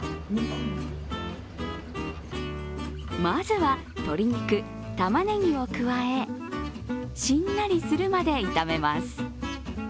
まずは、鶏肉、たまねぎを加えしんなりするまで炒めます。